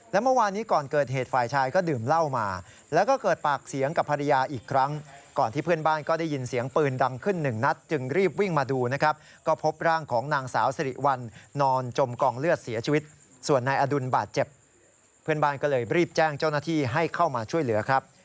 และเมื่อวานนี้ก่อนเกิดเหตุฝ่ายชายก็ดื่มเหล้ามาแล้วก็เกิดปากเสียงกับภรรยาอีกครั้งก่อนที่เพื่อนบ้านก็ได้ยินเสียงปืนดังขึ้นหนึ่งนัดจึงรีบวิ่งมาดูนะครับก็พบร่างของนางสาวสิริวัลนอนจมกองเลือดเสียชีวิตส่วนนายอดุลบาดเจ็บเพื่อนบ้านก็เลยรีบแจ้งเจ้าหน้าที่ให้เข้ามาช่วยเหลือครับ